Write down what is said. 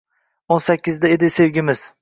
O’n sakkizda edi sevgimiz